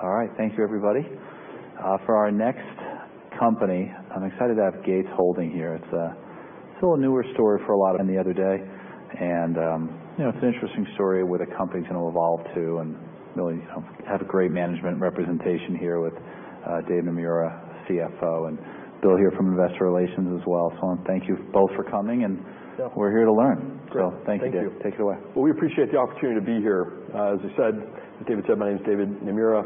All right, thank you everybody. For our next company, I'm excited to have Gates Holding here. It's a, it's a little newer story for a lot of the other day. You know, it's an interesting story where the company's gonna evolve too, and really, you know, have a great management representation here with David Naemura, CFO, and Bill here from Investor Relations as well. I want to thank you both for coming, and we're here to learn. Great. Thank you. Thank you. Take it away. We appreciate the opportunity to be here. As I said, as David said, my name's David Naemura,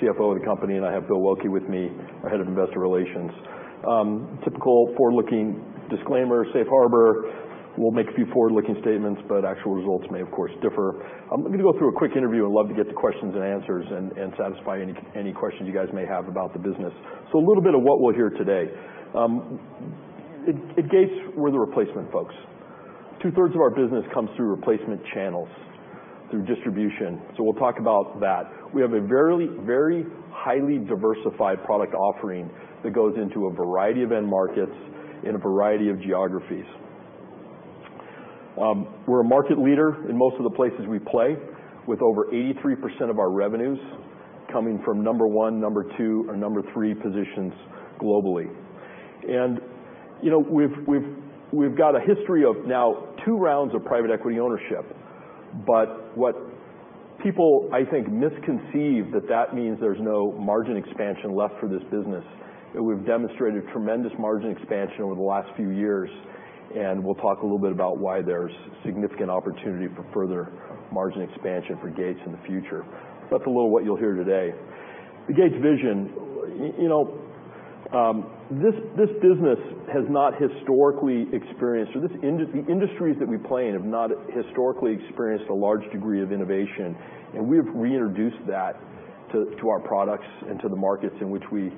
CFO of the company, and I have Bill Waelke with me, our Head of Investor Relations. Typical forward-looking disclaimer, safe harbor. We'll make a few forward-looking statements, but actual results may, of course, differ. I'm gonna go through a quick interview and love to get the questions and answers and satisfy any questions you guys may have about the business. A little bit of what we'll hear today. At Gates, we're the replacement folks. Two-thirds of our business comes through replacement channels, through distribution. We'll talk about that. We have a very, very highly diversified product offering that goes into a variety of end markets in a variety of geographies. We're a market leader in most of the places we play, with over 83% of our revenues coming from number one, number two, or number three positions globally. You know, we've got a history of now two rounds of private equity ownership. What people, I think, misconceive is that that means there's no margin expansion left for this business. We've demonstrated tremendous margin expansion over the last few years, and we'll talk a little bit about why there's significant opportunity for further margin expansion for Gates in the future. That's a little what you'll hear today. The Gates vision, you know, this business has not historically experienced, or the industries that we play in have not historically experienced a large degree of innovation. We have reintroduced that to our products and to the markets in which we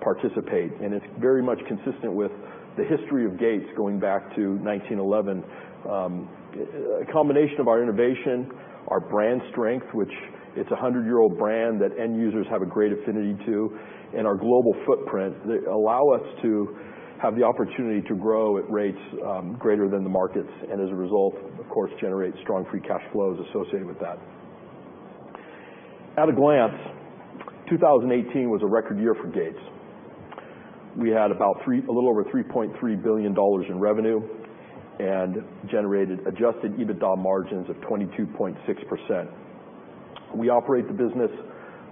participate. It is very much consistent with the history of Gates going back to 1911. A combination of our innovation, our brand strength, which is a 100-year-old brand that end users have a great affinity to, and our global footprint that allow us to have the opportunity to grow at rates greater than the markets, and as a result, of course, generate strong free cash flows associated with that. At a glance, 2018 was a record year for Gates. We had about three, a little over $3.3 billion in revenue and generated adjusted EBITDA margins of 22.6%. We operate the business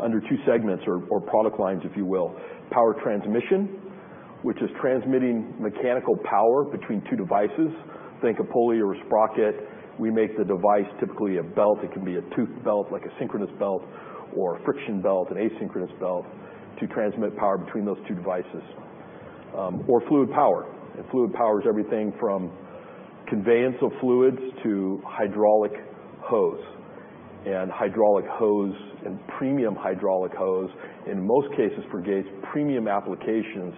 under two segments or, or product lines, if you will: power transmission, which is transmitting mechanical power between two devices. Think a pulley or a sprocket. We make the device, typically a belt. It can be a toothed belt, like a synchronous belt, or a friction belt, an asynchronous belt, to transmit power between those two devices, or fluid power. Fluid power is everything from conveyance of fluids to hydraulic hose. Hydraulic hose and premium hydraulic hose, in most cases for Gates, premium applications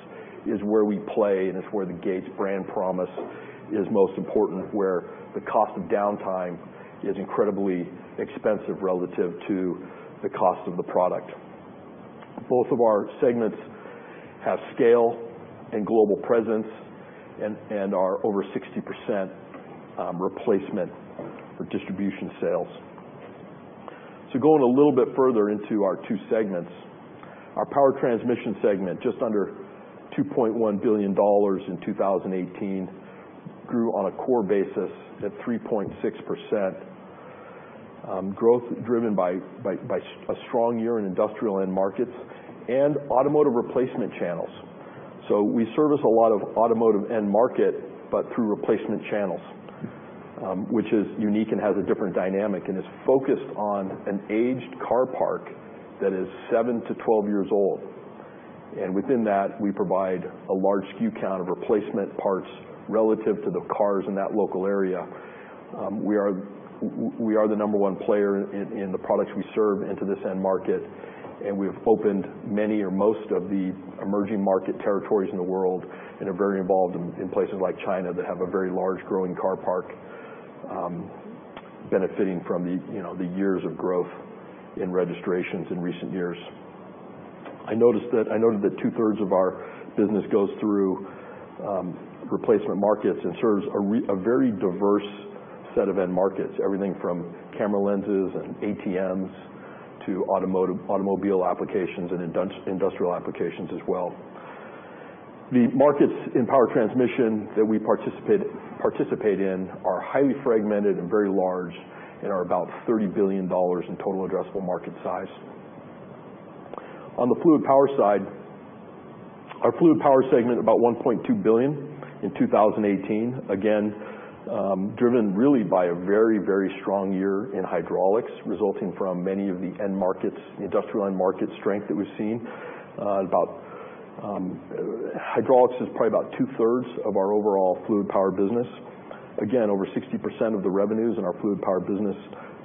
is where we play, and it is where the Gates brand promise is most important, where the cost of downtime is incredibly expensive relative to the cost of the product. Both of our segments have scale and global presence and are over 60% replacement or distribution sales. Going a little bit further into our two segments, our power transmission segment, just under $2.1 billion in 2018, grew on a core basis at 3.6%, growth driven by a strong year in industrial end markets and automotive replacement channels. We service a lot of automotive end market, but through replacement channels, which is unique and has a different dynamic and is focused on an aged car park that is 7 years-12 years old. Within that, we provide a large skew count of replacement parts relative to the cars in that local area. We are the number one player in the products we serve into this end market, and we have opened many or most of the emerging market territories in the world and are very involved in places like China that have a very large growing car park, benefiting from the, you know, the years of growth in registrations in recent years. I noticed that, I noted that two-thirds of our business goes through replacement markets and serves a very diverse set of end markets, everything from camera lenses and ATMs to automotive, automobile applications and industrial applications as well. The markets in power transmission that we participate in are highly fragmented and very large and are about $30 billion in total addressable market size. On the fluid power side, our fluid power segment, about $1.2 billion in 2018, again, driven really by a very, very strong year in hydraulics, resulting from many of the end markets, industrial end market strength that we've seen. Hydraulics is probably about two-thirds of our overall fluid power business. Again, over 60% of the revenues in our fluid power business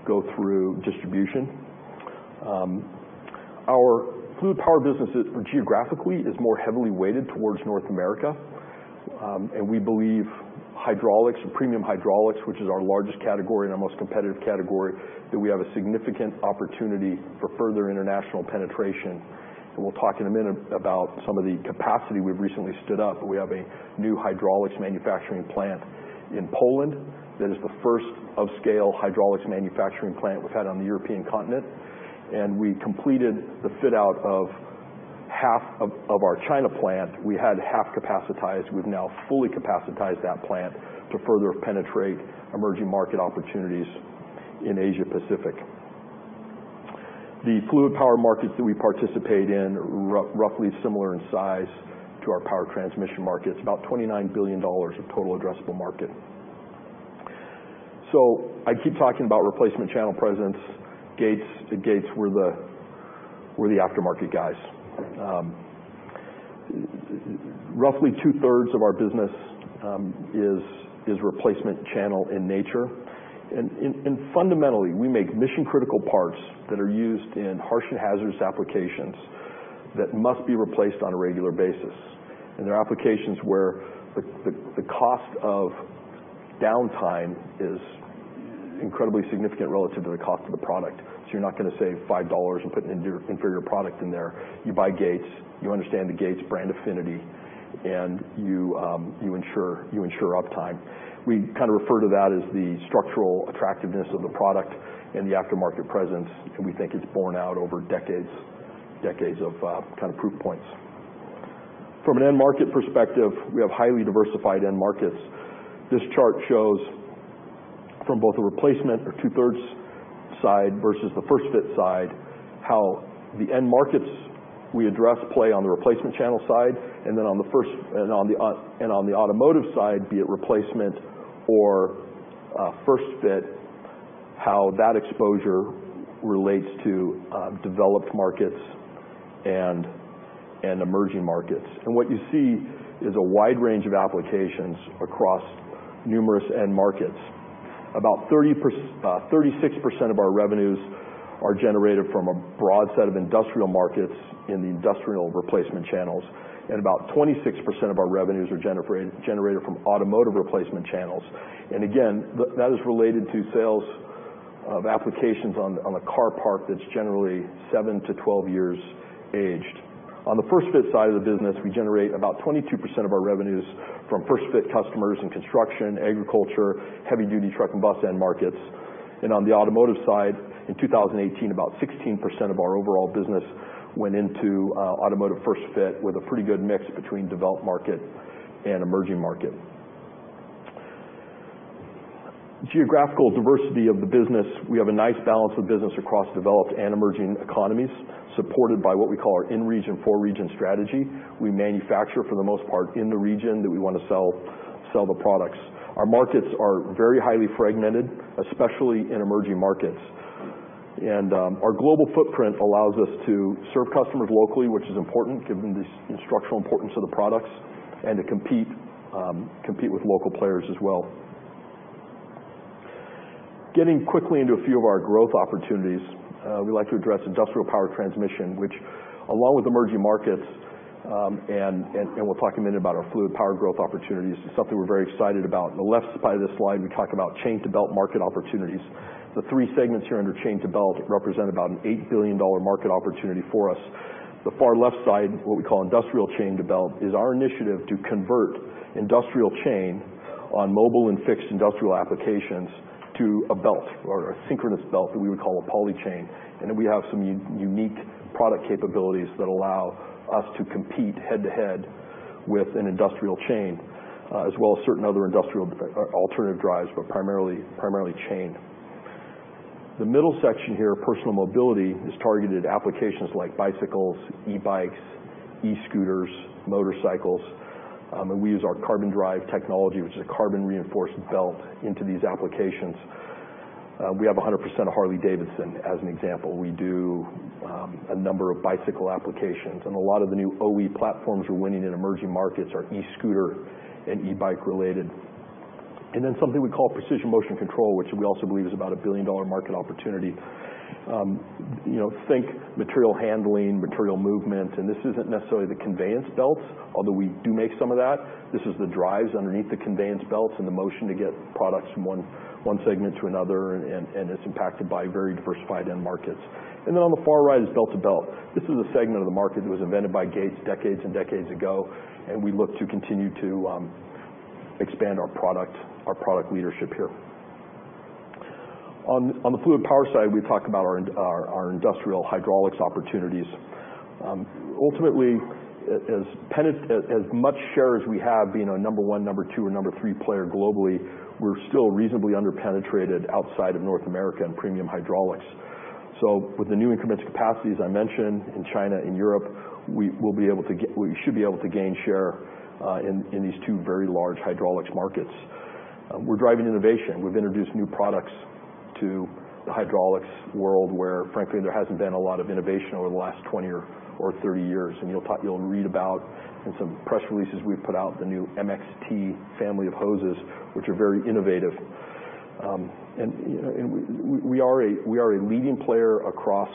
go through distribution. Our fluid power business is, geographically, more heavily weighted towards North America. We believe hydraulics and premium hydraulics, which is our largest category and our most competitive category, that we have a significant opportunity for further international penetration. We will talk in a minute about some of the capacity we have recently stood up. We have a new hydraulics manufacturing plant in Poland that is the first of scale hydraulics manufacturing plant we have had on the European continent. We completed the fit-out of half of our China plant. We had half capacitized. We have now fully capacitized that plant to further penetrate emerging market opportunities in Asia-Pacific. The fluid power markets that we participate in are roughly similar in size to our power transmission markets, about $29 billion of total addressable market. I keep talking about replacement channel presence. Gates, Gates were the, were the aftermarket guys. Roughly two-thirds of our business is replacement channel in nature. Fundamentally, we make mission-critical parts that are used in harsh and hazardous applications that must be replaced on a regular basis. There are applications where the cost of downtime is incredibly significant relative to the cost of the product. You're not gonna save $5 and put an inferior product in there. You buy Gates, you understand the Gates brand affinity, and you ensure uptime. We kind of refer to that as the structural attractiveness of the product and the aftermarket presence, and we think it's borne out over decades, decades of proof points. From an end market perspective, we have highly diversified end markets. This chart shows from both the replacement or two-thirds side versus the first-fit side how the end markets we address play on the replacement channel side, then on the first, and on the automotive side, be it replacement or first-fit, how that exposure relates to developed markets and emerging markets. What you see is a wide range of applications across numerous end markets. About 30%... 36% of our revenues are generated from a broad set of industrial markets in the industrial replacement channels, and about 26% of our revenues are generated from automotive replacement channels. That is related to sales of applications on a car park that is generally 7years-12 years aged. On the first-fit side of the business, we generate about 22% of our revenues from first-fit customers in construction, agriculture, heavy-duty truck and bus end markets. On the automotive side, in 2018, about 16% of our overall business went into automotive first-fit with a pretty good mix between developed market and emerging market. Geographical diversity of the business, we have a nice balance of business across developed and emerging economies supported by what we call our in-region, four-region strategy. We manufacture for the most part in the region that we want to sell, sell the products. Our markets are very highly fragmented, especially in emerging markets. Our global footprint allows us to serve customers locally, which is important given the structural importance of the products, and to compete with local players as well. Getting quickly into a few of our growth opportunities, we like to address industrial power transmission, which, along with emerging markets, and we will talk in a minute about our fluid power growth opportunities. It is something we are very excited about. On the left side of this slide, we talk about chain-to-belt market opportunities. The three segments here under chain-to-belt represent about an $8 billion market opportunity for us. The far left side, what we call industrial chain-to-belt, is our initiative to convert industrial chain on mobile and fixed industrial applications to a belt or a synchronous belt that we would call a Poly Chain. We have some unique product capabilities that allow us to compete head-to-head with an industrial chain, as well as certain other industrial, alternative drives, but primarily, primarily chain. The middle section here, personal mobility, is targeted applications like bicycles, e-bikes, e-scooters, motorcycles. We use our Carbon Drive technology, which is a carbon-reinforced belt, into these applications. We have 100% of Harley-Davidson as an example. We do a number of bicycle applications. A lot of the new OE platforms we're winning in emerging markets are e-scooter and e-bike related. Something we call precision motion control, which we also believe is about a billion-dollar market opportunity. You know, think material handling, material movement. This isn't necessarily the conveyance belts, although we do make some of that. This is the drives underneath the conveyance belts and the motion to get products from one segment to another, and it's impacted by very diversified end markets. On the far right is belt-to-belt. This is a segment of the market that was invented by Gates decades and decades ago, and we look to continue to expand our product leadership here. On the fluid power side, we talk about our industrial hydraulics opportunities. Ultimately, as much share as we have, being a number one, number two, or number three player globally, we're still reasonably underpenetrated outside of North America in premium hydraulics. With the new increments of capacities I mentioned in China and Europe, we will be able to get, we should be able to gain share in these two very large hydraulics markets. We're driving innovation. We've introduced new products to the hydraulics world where, frankly, there hasn't been a lot of innovation over the last 20 or 30 years. You'll read about in some press releases we've put out the new MXT family of hoses, which are very innovative. You know, we are a leading player across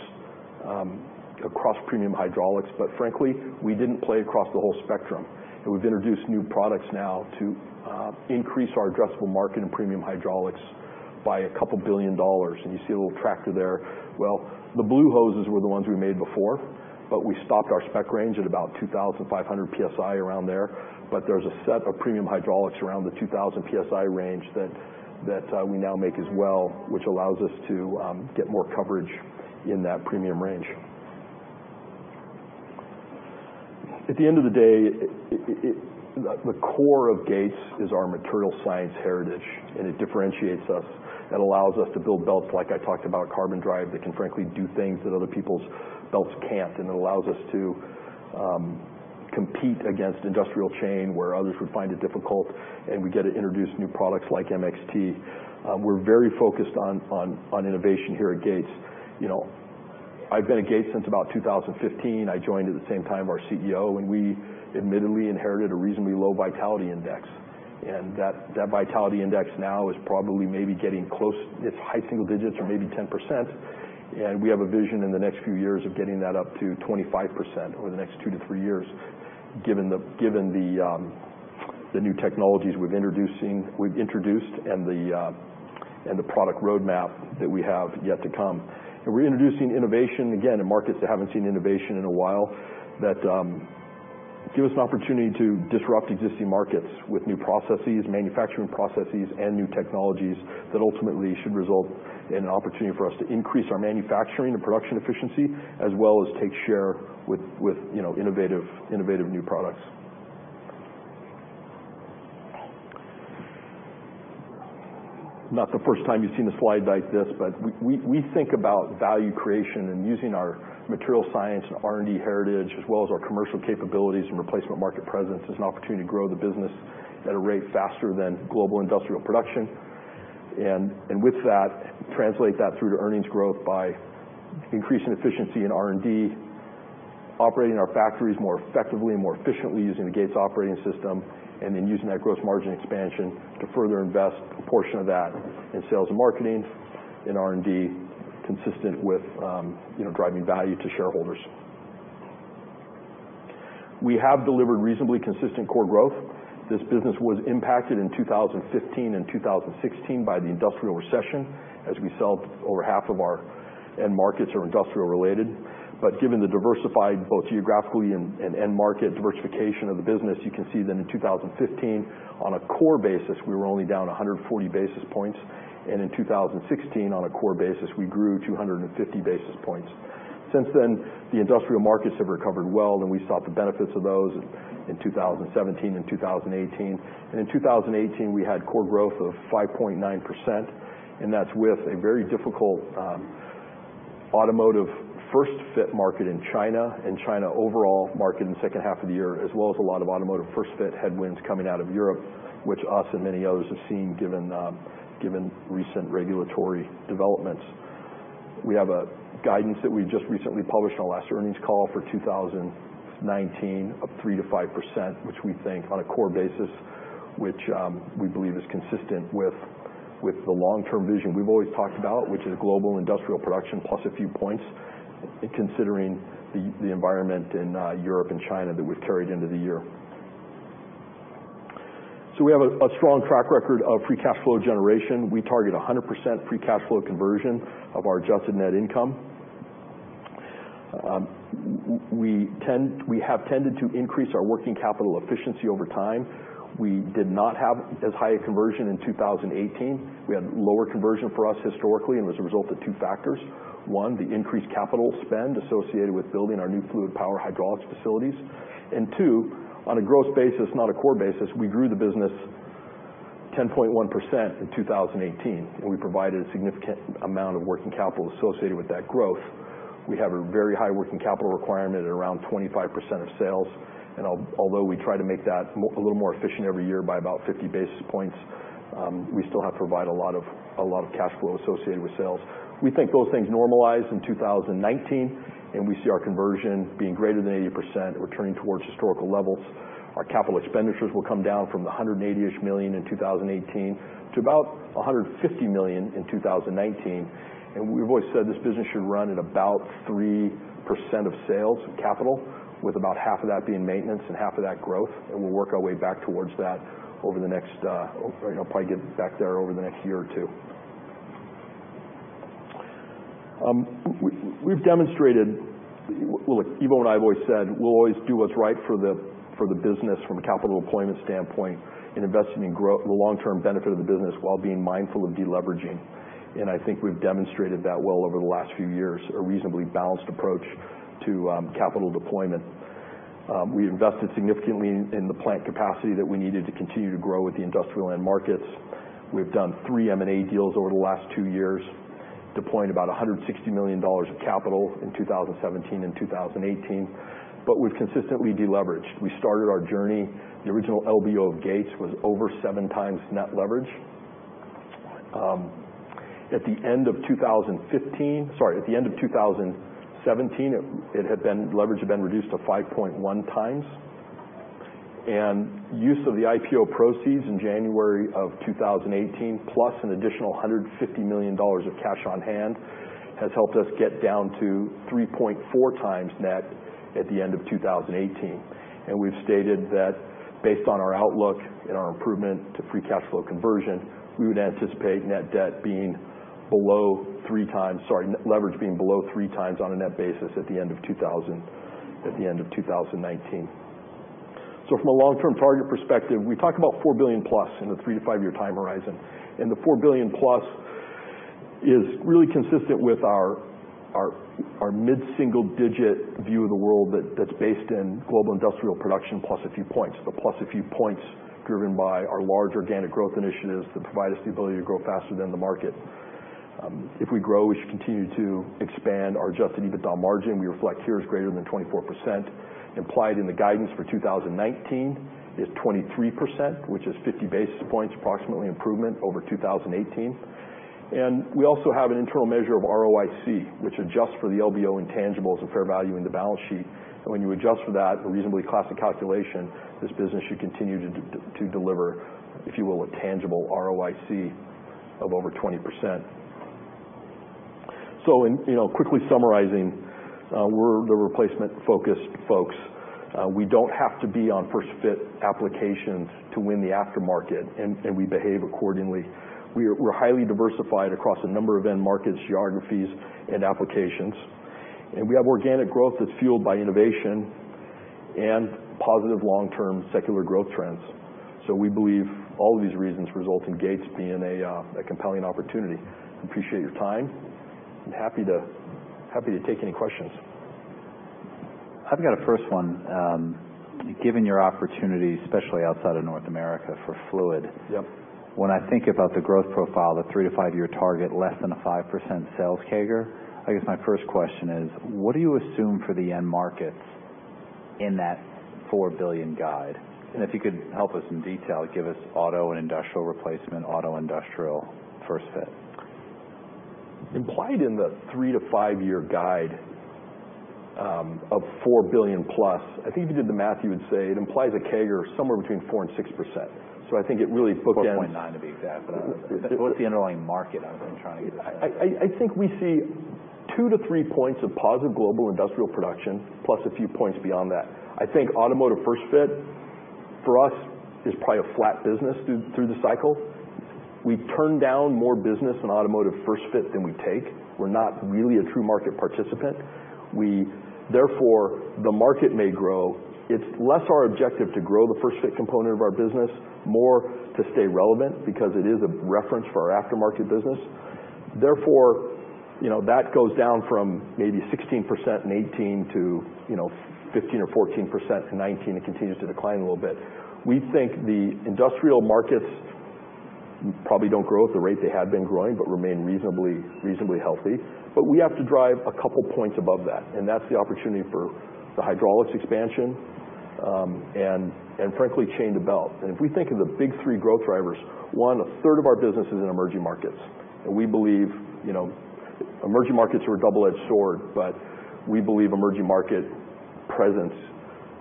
premium hydraulics, but frankly, we didn't play across the whole spectrum. We have introduced new products now to increase our addressable market in premium hydraulics by a couple billion dollars. You see a little tractor there. The blue hoses were the ones we made before, but we stopped our spec range at about 2,500 PSI, around there. There is a set of premium hydraulics around the 2,000 PSI range that we now make as well, which allows us to get more coverage in that premium range. At the end of the day, the core of Gates is our material science heritage, and it differentiates us. It allows us to build belts like I talked about, Carbon Drive, that can, frankly, do things that other people's belts cannot. It allows us to compete against industrial chain where others would find it difficult, and we get to introduce new products like MXT. We're very focused on, on, on innovation here at Gates. You know, I've been at Gates since about 2015. I joined at the same time our CEO, and we admittedly inherited a reasonably low vitality index. That vitality index now is probably maybe getting close, it's high single digits or maybe 10%. We have a vision in the next few years of getting that up to 25% over the next two to three years, given the new technologies we've introducing, we've introduced and the product roadmap that we have yet to come. We're introducing innovation, again, in markets that haven't seen innovation in a while that give us an opportunity to disrupt existing markets with new processes, manufacturing processes, and new technologies that ultimately should result in an opportunity for us to increase our manufacturing and production efficiency as well as take share with, you know, innovative, innovative new products. Not the first time you've seen a slide like this, but we think about value creation and using our material science and R&D heritage as well as our commercial capabilities and replacement market presence as an opportunity to grow the business at a rate faster than global industrial production. With that, translate that through to earnings growth by increasing efficiency in R&D, operating our factories more effectively and more efficiently using the Gates operating system, and then using that gross margin expansion to further invest a portion of that in sales and marketing, in R&D consistent with, you know, driving value to shareholders. We have delivered reasonably consistent core growth. This business was impacted in 2015 and 2016 by the industrial recession as we sell over half of our end markets are industrial related. Given the diversified, both geographically and end market diversification of the business, you can see that in 2015, on a core basis, we were only down 140 basis points. In 2016, on a core basis, we grew 250 basis points. Since then, the industrial markets have recovered well, and we saw the benefits of those in 2017 and 2018. In 2018, we had core growth of 5.9%, and that's with a very difficult automotive first-fit market in China and China overall market in the second half of the year, as well as a lot of automotive first-fit headwinds coming out of Europe, which us and many others have seen given recent regulatory developments. We have a guidance that we just recently published on our last earnings call for 2019 of 3%-5%, which we think on a core basis, which we believe is consistent with the long-term vision we've always talked about, which is global industrial production plus a few points considering the environment in Europe and China that we've carried into the year. We have a strong track record of free cash flow generation. We target 100% free cash flow conversion of our adjusted net income. We tend, we have tended to increase our working capital efficiency over time. We did not have as high a conversion in 2018. We had lower conversion for us historically and was a result of two factors. One, the increased capital spend associated with building our new fluid power hydraulics facilities. Two, on a gross basis, not a core basis, we grew the business 10.1% in 2018, and we provided a significant amount of working capital associated with that growth. We have a very high working capital requirement at around 25% of sales. Although we try to make that a little more efficient every year by about 50 basis points, we still have to provide a lot of, a lot of cash flow associated with sales. We think those things normalized in 2019, and we see our conversion being greater than 80%, returning towards historical levels. Our capital expenditures will come down from the $180 million in 2018 to about $150 million in 2019. We've always said this business should run at about 3% of sales of capital, with about half of that being maintenance and half of that growth. We'll work our way back towards that over the next, you know, probably get back there over the next year or two. We've demonstrated, well, Evo and I have always said we'll always do what's right for the business from a capital deployment standpoint in investing in growth, the long-term benefit of the business while being mindful of deleveraging. I think we've demonstrated that well over the last few years, a reasonably balanced approach to capital deployment. We invested significantly in the plant capacity that we needed to continue to grow with the industrial end markets. We've done three M&A deals over the last two years, deploying about $160 million of capital in 2017 and 2018. We've consistently deleveraged. We started our journey. The original LBO of Gates was over seven times net leverage. At the end of 2015, sorry, at the end of 2017, leverage had been reduced to 5.1 times. Use of the IPO proceeds in January of 2018, plus an additional $150 million of cash on hand, has helped us get down to 3.4x net at the end of 2018. We've stated that based on our outlook and our improvement to free cash flow conversion, we would anticipate net debt being below three times, sorry, leverage being below three times on a net basis at the end of 2019. From a long-term target perspective, we talk about $4 billion plus in a three- to five-year time horizon. The $4 billion plus is really consistent with our mid-single-digit view of the world, that is based in global industrial production plus a few points, the plus a few points driven by our large organic growth initiatives that provide us the ability to grow faster than the market. If we grow, we should continue to expand our adjusted EBITDA margin. We reflect here as greater than 24%. Implied in the guidance for 2019 is 23%, which is 50 basis points approximately improvement over 2018. We also have an internal measure of ROIC, which adjusts for the LBO intangibles and fair value in the balance sheet. When you adjust for that, a reasonably classic calculation, this business should continue to deliver, if you will, a tangible ROIC of over 20%. In, you know, quickly summarizing, we're the replacement-focused folks. We don't have to be on first-fit applications to win the aftermarket, and we behave accordingly. We're highly diversified across a number of end markets, geographies, and applications. We have organic growth that's fueled by innovation and positive long-term secular growth trends. We believe all of these reasons result in Gates being a compelling opportunity. Appreciate your time. I'm happy to take any questions. I've got a first one. Given your opportunity, especially outside of North America for fluid. When I think about the growth profile, the three to five-year target, less than a 5% sales CAGR, I guess my first question is, what do you assume for the end markets in that $4 billion guide? And if you could help us in detail, give us auto and industrial replacement, auto industrial first-fit. Implied in the three to five-year guide, of $4 billion plus, I think if you did the math, you would say it implies a CAGR somewhere between 4% and 6%. I think it really bookends. 4.9 to be exact, but what's the underlying market? I was trying to get a sense of that. I think we see two to three points of positive global industrial production plus a few points beyond that. I think automotive first-fit for us is probably a flat business through the cycle. We turn down more business in automotive first-fit than we take. We're not really a true market participant. Therefore, the market may grow. It's less our objective to grow the first-fit component of our business, more to stay relevant because it is a reference for our aftermarket business. Therefore, you know, that goes down from maybe 16% in 2018 to, you know, 15% or 14% in 2019. It continues to decline a little bit. We think the industrial markets probably don't grow at the rate they had been growing but remain reasonably, reasonably healthy. We have to drive a couple points above that. That's the opportunity for the hydraulics expansion, and, frankly, chain to belt. If we think of the big three growth drivers, one, a third of our business is in emerging markets. We believe, you know, emerging markets are a double-edged sword, but we believe emerging market presence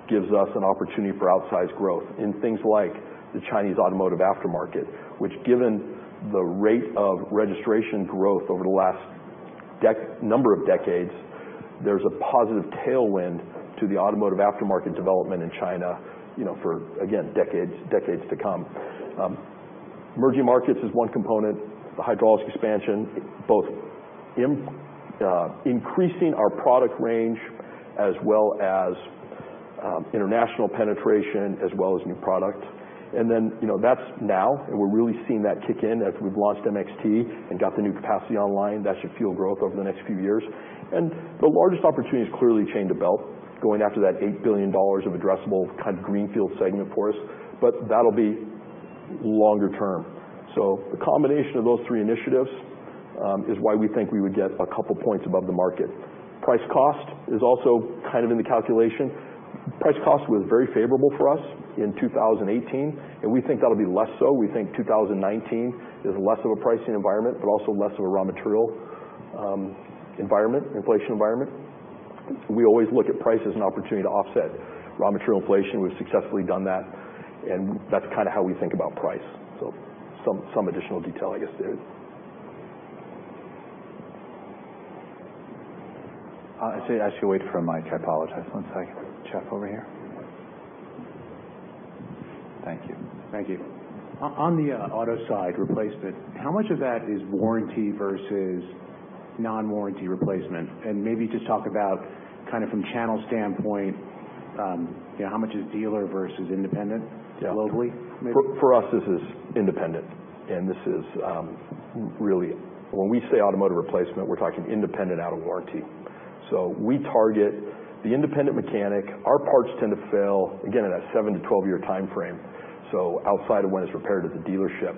gives us an opportunity for outsized growth in things like the Chinese automotive aftermarket, which, given the rate of registration growth over the last number of decades, there's a positive tailwind to the automotive aftermarket development in China, you know, for, again, decades, decades to come. Emerging markets is one component. The hydraulics expansion, both in increasing our product range as well as international penetration as well as new product. That's now, and we're really seeing that kick in after we've launched MXT and got the new capacity online. That should fuel growth over the next few years. The largest opportunity is clearly chain to belt, going after that $8 billion of addressable kind of greenfield segment for us. That will be longer term. The combination of those three initiatives is why we think we would get a couple points above the market. Price cost is also kind of in the calculation. Price cost was very favorable for us in 2018, and we think that will be less so. We think 2019 is less of a pricing environment, but also less of a raw material environment, inflation environment. We always look at price as an opportunity to offset raw material inflation. We have successfully done that, and that is kind of how we think about price. Some additional detail, I guess, there. I see an SU8 from Mike. I apologize. One second. Chef over here. Thank you. Thank you. On the auto side, replacement, how much of that is warranty versus non-warranty replacement? And maybe just talk about kind of from channel standpoint, you know, how much is dealer versus independent globally? Yeah. For us, this is independent. And this is, really, when we say automotive replacement, we're talking independent out of warranty. So we target the independent mechanic. Our parts tend to fail, again, in that 7-12 year timeframe, so outside of when it's repaired at the dealership.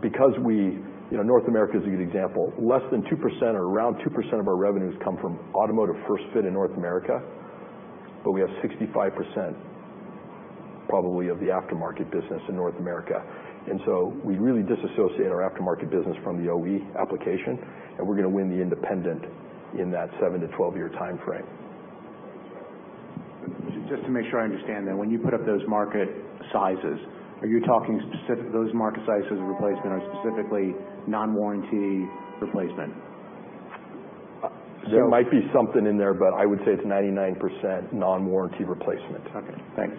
Because we, you know, North America is a good example. Less than 2% or around 2% of our revenues come from automotive first-fit in North America, but we have 65% probably of the aftermarket business in North America. And so we really disassociate our aftermarket business from the OE application, and we're going to win the independent in that 7-12 year timeframe. Just to make sure I understand, then, when you put up those market sizes, are you talking specific those market sizes of replacement or specifically non-warranty replacement? There might be something in there, but I would say it's 99% non-warranty replacement. Okay. Thanks.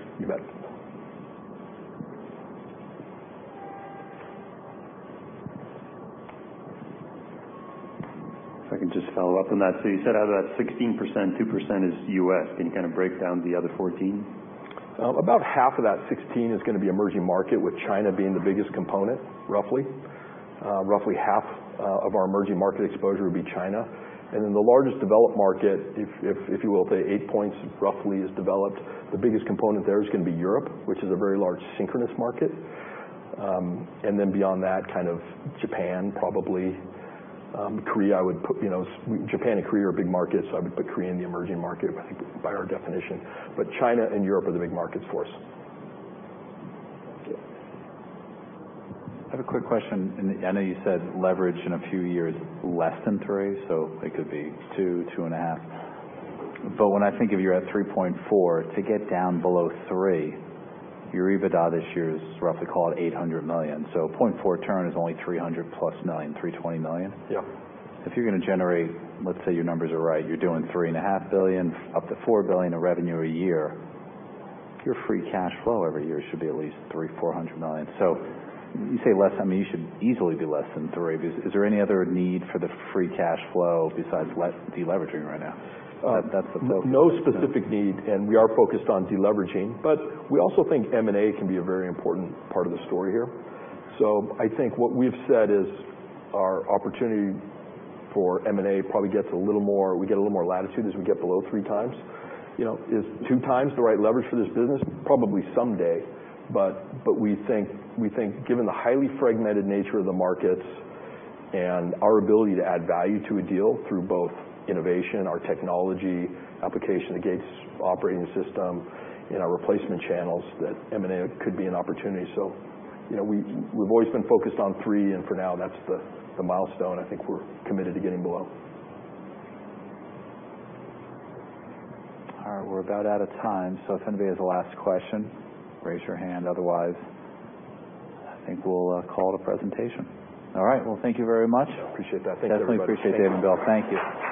You bet. If I can just follow up on that. You said out of that 16%, 2% is U.S,. Can you kind of break down the other 14%? About half of that 16 is going to be emerging market, with China being the biggest component, roughly. Roughly half of our emerging market exposure would be China. The largest developed market, if you will, say 8 points roughly is developed, the biggest component there is going to be Europe, which is a very large synchronous market. Beyond that, kind of Japan, probably. Korea, I would put, you know, Japan and Korea are big markets, so I would put Korea in the emerging market, I think, by our definition. China and Europe are the big markets for us. Thank you. I have a quick question. I know you said leverage in a few years less than 3, so it could be 2, 2.5. When I think of you at 3.4, to get down below 3, your EBITDA this year is roughly, call it $800 million. A 0.4 turn is only $300 million plus, $320 million. Yep. If you're going to generate, let's say your numbers are right, you're doing $3.5 billion-$4 billion of revenue a year, your free cash flow every year should be at least $300 million-$400 million. I mean, you should easily be less than three. Is there any other need for the free cash flow besides deleveraging right now? That's the focus. No specific need, and we are focused on deleveraging. We also think M&A can be a very important part of the story here. I think what we've said is our opportunity for M&A probably gets a little more, we get a little more latitude as we get below three times, you know, is two times the right leverage for this business, probably someday. We think, we think given the highly fragmented nature of the markets and our ability to add value to a deal through both innovation, our technology, application of the Gates operating system, you know, replacement channels, that M&A could be an opportunity. You know, we've always been focused on three, and for now, that's the milestone. I think we're committed to getting below. All right. We're about out of time. So if anybody has a last question, raise your hand. Otherwise, I think we'll call it a presentation. All right. Thank you very much. Appreciate that. Thank you very much. Definitely appreciate David Naemura. Thank you.